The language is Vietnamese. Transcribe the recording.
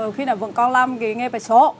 khi nào vẫn còn làm nghề bài số